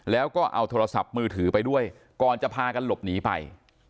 แล้วก็เอาโทรศัพท์มือถือไปด้วยก่อนจะพากันหลบหนีไป